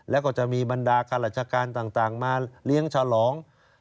แล้วก็จะมีบรรดาข้าราชการต่างมาเลี้ยงฉลอง